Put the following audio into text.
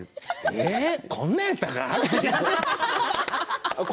ええこんなんやったかな。